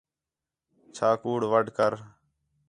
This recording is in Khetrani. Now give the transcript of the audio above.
چَھا کُوڑ وَڈھ کر